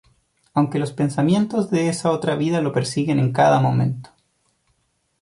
Aunque los pensamientos de esa otra vida lo persiguen en cada momento.